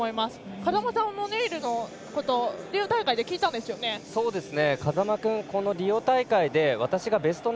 風間さんもネイルのことリオ大会で聞いたんですよね。